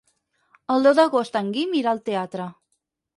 El deu d'agost en Guim irà al teatre.